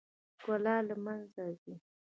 ښکلا له منځه ځي .